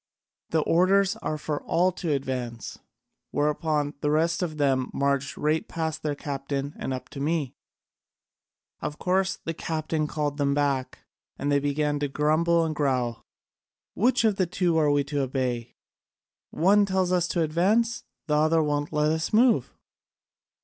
The orders are for all to advance!' Whereupon the rest of them marched right past their captain and up to me. Of course the captain called them back, and they began to grumble and growl: 'Which of the two are we to obey? One tells us to advance, the other won't let us move.'